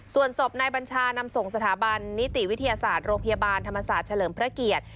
ส่วนศพนายบัญชานำส่งสถาบันนิติวิทยาศาสตร์โรงพยาบาลธรรมศาสตร์เฉลิมพระเกียรติ